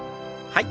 はい。